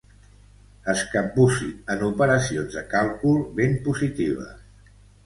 Es capbussi en operacions de càlcul ben positives.